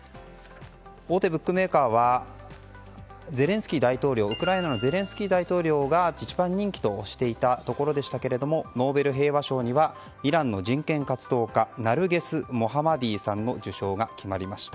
大手ブックメーカーはウクライナのゼレンスキー大統領が一番人気としていたところでしたがノーベル平和賞にはイランの人権活動家ナルゲス・モハマディさんの受賞が決まりました。